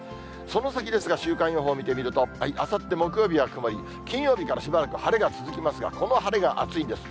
その先ですが、週間予報見てみると、あさって木曜日は曇り、金曜日からしばらく晴れが続きますが、この晴れが暑いんです。